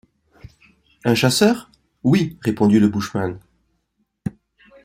Un chasseur? oui, répondit le bushman.